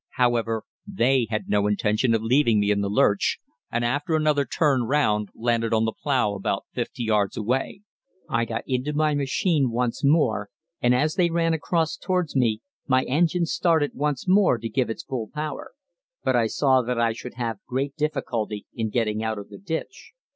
However, they had no intention of leaving me in the lurch, and after another turn round landed on the plough about 50 yards away. I got into my machine once more, and as they ran across towards me my engine started once more to give its full power; but I saw that I should have great difficulty in getting out of the ditch.